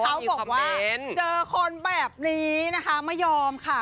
เขาบอกว่าเจอคนแบบนี้นะคะไม่ยอมค่ะ